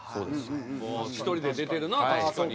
１人で出てるな確かに。